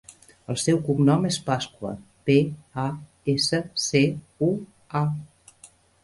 El seu cognom és Pascua: pe, a, essa, ce, u, a.